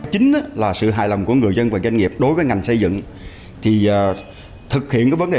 chính là sự hài lòng của người dân và doanh nghiệp đối với ngành xây dựng thì thực hiện cái vấn đề